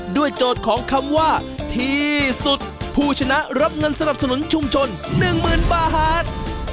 โจทย์ของคำว่าที่สุดผู้ชนะรับเงินสนับสนุนชุมชน๑๐๐๐บาท